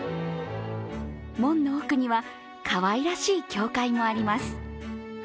門の奥には、かわいらしい教会もあります。